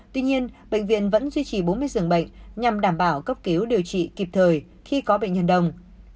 tuy nhiên bệnh viện vẫn duy trì bốn mươi giường bệnh nhằm đảm bảo cấp cứu điều trị kịp thời khi có bệnh nhân đông